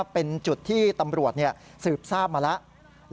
เป็นจุดที่ตำรวจสืบทราบมาแล้ว